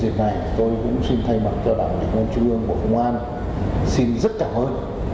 nhân dân này tôi cũng xin thay mặt cho đảng đảng chủ đương bộ công an xin rất cảm ơn